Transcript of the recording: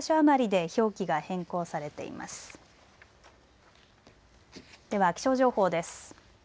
では気象情報です。